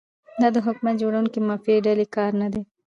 دا د حکومت د جوړونکي مافیایي ډلې کار نه دی.